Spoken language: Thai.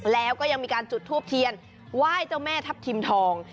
แล้วก็ยังมีการจุดทูปเทียนไหว้เจ้าแม่ทัพทิมทอง